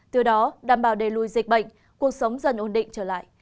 từ đó đảm bảo đầy lùi dịch bệnh cuộc sống dần ổn định trở lại